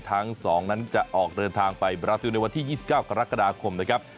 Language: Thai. ทั้ง๒นั้นจะออกเดินทางไปบราซิลในวันที่๒๙กรกฎาคมนะครับ